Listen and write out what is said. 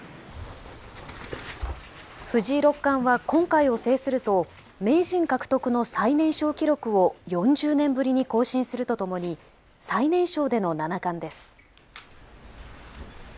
藤井六冠は今回を制すると名人獲得の最年少記録を４０年ぶりに更新するとともに最年少での七冠です。